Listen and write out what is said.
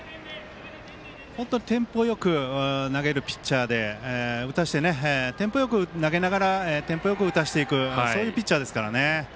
本当にテンポよく投げるピッチャーでテンポよく投げながらテンポよく打たせていくそういうピッチャーですからね。